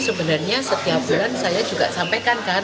sebenarnya setiap bulan saya juga sampaikan kan